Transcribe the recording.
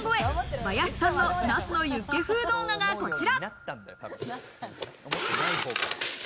バヤシさんのナスのユッケ風動画がこちら。